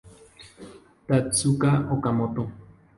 Tatsuya Okamoto